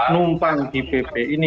numpang di pp ini